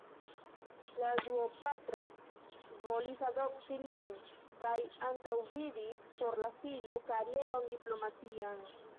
La duopatro volis adopti lin kaj antaŭvidis por la filo karieron diplomatian.